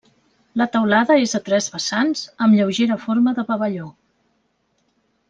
La teulada és a tres vessants, amb lleugera forma de pavelló.